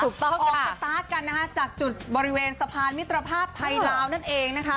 ออกสัตว์กันจากจุดบริเวณสะพานมิตรภาพไทยล้าวนั่นเองนะคะ